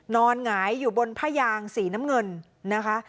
หงายอยู่บนผ้ายางสีน้ำเงินนะคะ